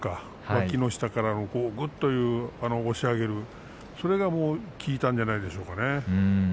わきの下からのぐっと押し上げるそれが効いたんじゃないでしょうか。